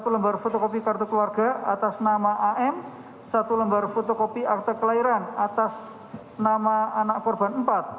satu lembar fotokopi akta keluarga atas nama anak korban empat